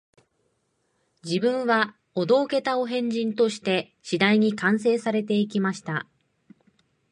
自分はお道化たお変人として、次第に完成されて行きました